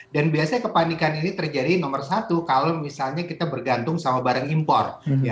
dan biasanya kepanikan ini terjadi nomor satu kalau misalnya kita bergantung sama barang impor